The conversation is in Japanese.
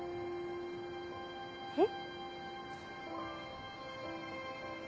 えっ？